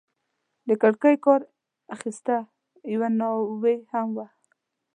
د کړکۍ کار اخیسته، یوه ناوې هم وه.